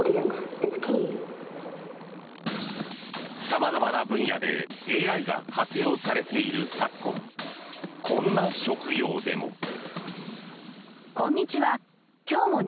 様々な分野でＡＩが活用されている昨今こんな職業でも。